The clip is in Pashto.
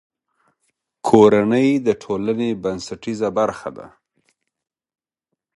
کورنۍ د ټولنې بنسټیزه برخه ده.